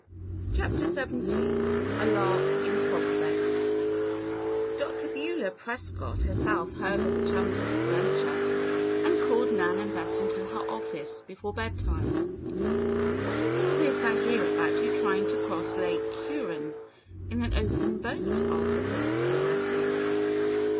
CHAPTER XVII A LARK IN PROSPECT Dr. Beulah Prescott herself heard of the chums' adventure and called Nan and Bess into her office before bedtime. "What is all this I hear about your trying to cross Lake Huron in an open boat?" asked the principal, lightly.